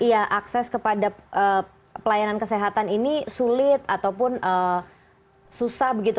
iya akses kepada pelayanan kesehatan ini sulit ataupun susah begitu